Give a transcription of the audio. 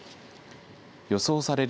予想される